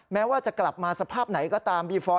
แม้ว่าจะกลับมาสภาพไหนก็ตามบีฟอร์